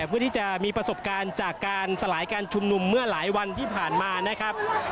เพื่อที่จะมีประสบการณ์จากการสลายการชุมนุมเมื่อหลายวันที่ผ่านมานะครับ